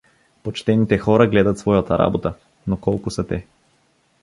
Почтените хора гледат своята работа… Но колко са те?